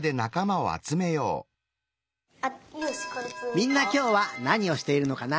みんなきょうはなにをしているのかな？